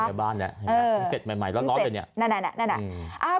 มีใครบ้านเนี่ยมีเศษใหม่ร้อนเดี๋ยวเนี่ย